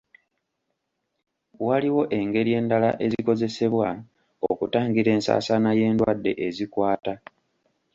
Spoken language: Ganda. Waliwo engeri endala ezikozesebwa okutangira ensaasaana y'endwadde ezikwata.